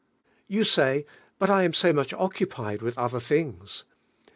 You say, "But I am so much occupied with oilier things."